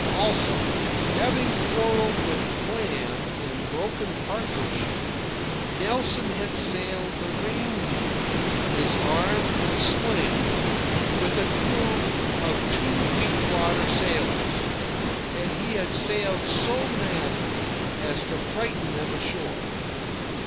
Also, having quarrelled with Clam and broken partnership, Nelson had sailed the Reindeer, his arm in a sling, with a crew of two deep water sailors, and he had sailed so madly as to frighten them ashore.